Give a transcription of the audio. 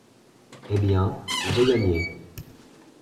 Eh bien, j’ai gagné !…